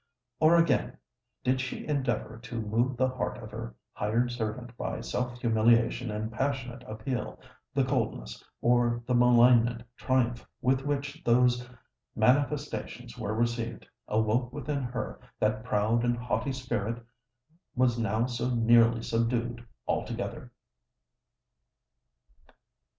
Or, again, did she endeavour to move the heart of her hired servant by self humiliation and passionate appeal, the coldness, or the malignant triumph with which those manifestations were received awoke within her that proud and haughty spirit which was now so nearly subdued altogether.